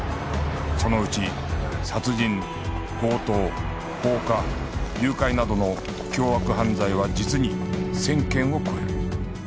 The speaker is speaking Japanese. そのうち殺人強盗放火誘拐などの凶悪犯罪は実に１０００件を超える